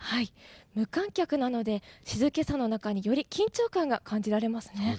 無観客なので静けさの中により緊張感が感じられますね。